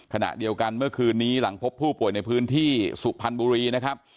ขณะเดียวกันเมื่อคืนนี้หลังพบผู้ป่วยในพื้นที่สุพรรณบุรีนะครับ